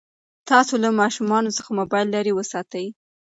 تاسو له ماشومانو څخه موبایل لرې وساتئ.